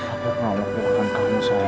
aku pernah lakukan kamu sayang